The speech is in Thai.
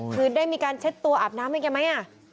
คือได้มีการเช็ดตัวอาบน้ำให้แกไหม